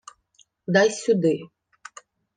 — Дай сюди.